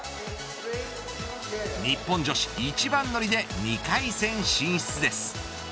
日本女子、一番乗りで２回戦進出です。